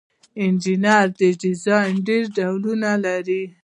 انجنیری ډیزاین ډیر ډولونه لري.